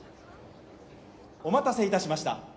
お待たせいたしました。